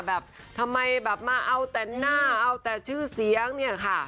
แบบทำไมแบบมาเอาแต่หน้าเอาแต่ชื่อเสียงเนี่ยค่ะ